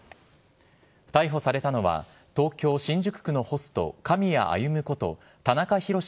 逮捕されたのは、東京・新宿区のホスト、狼谷歩こと田中ひろし